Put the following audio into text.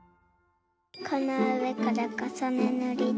このうえからかさねぬりで。